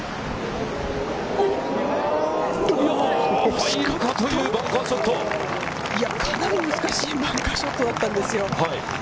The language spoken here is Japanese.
入るか？というバンカーかなり難しいバンカーショットだったんですよ。